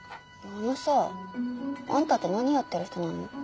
あのさあんたって何やってる人なの？